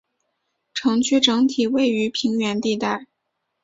城区整体位于平原地带。